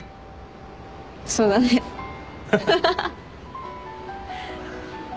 そうだね。ハハハ。